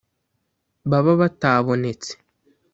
baba batabonetse